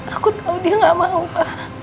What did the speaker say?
aku tau dia nggak mau pak